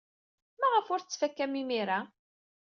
Maɣef ur t-tettfakam imir-a?